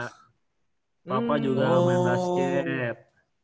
papa juga main basket